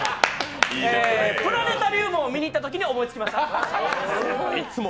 プラネタリウムに見に行ったときに思いつきました。